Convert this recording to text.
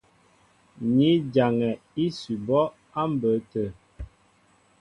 Ni jaŋɛ ísʉbɔ́ á mbə̌ tə̂.